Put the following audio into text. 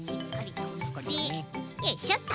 よいしょと。